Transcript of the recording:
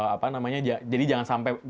apa namanya jadi jangan sampai